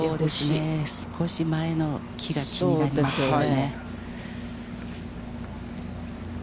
少し右の木が気になりますよね。